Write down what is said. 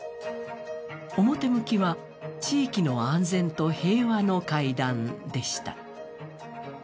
表向きは地域の安全と平和の会談でした。